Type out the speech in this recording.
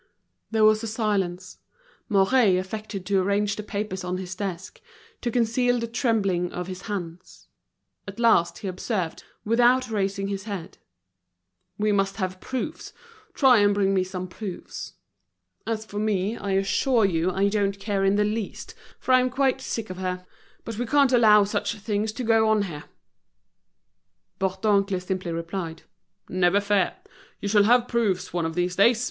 There was a silence. Mouret affected to arrange the papers on his desk, to conceal the trembling of his hands. At last, he observed, without raising his head: "We must have proofs, try and bring me some proofs. As for me, I assure you I don't care in the least, for I'm quite sick of her. But we can't allow such things to go on here." Bourdoncle simply replied: "Never fear, you shall have proofs one of these days.